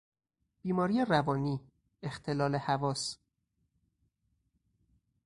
بیماری روانی، اختلال حواس